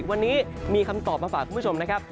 วันนี้มีคำตอบมาฝากคุณผู้ชมนะครับ